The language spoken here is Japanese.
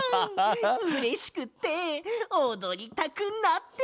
うれしくっておどりたくなってきた！